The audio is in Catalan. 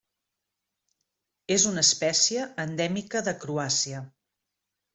És una espècie endèmica de Croàcia.